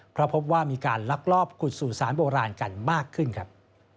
เพราะพบว่ามีการลักลอบขุดสู่สารโบราณกันมากขึ้นครับ